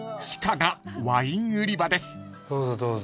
どうぞどうぞ。